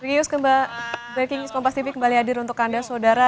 rius kembali ke jurnalist kompas tv kembali hadir untuk anda saudara